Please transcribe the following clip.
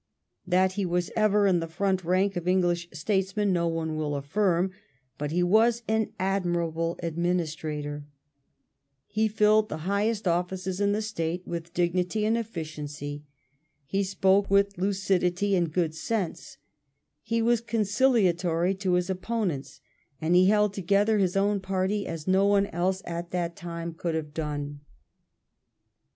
That he was ever in the front rank of English statesmen no one will affirm ; but he was an admirable administrator ; he filled the highest offices in the State with dignity and efficiency ; he spoke with lucidity and good sense ; he was conciliatory to his opponents, and he held together his own party as no one else at that time would have done.